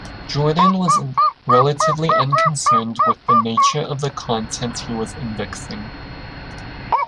Jordan was relatively unconcerned with the nature of the content he was indexing.